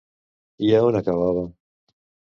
I a on acabava?